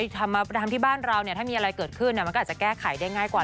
ทำมาทำที่บ้านเราเนี่ยถ้ามีอะไรเกิดขึ้นมันก็อาจจะแก้ไขได้ง่ายกว่า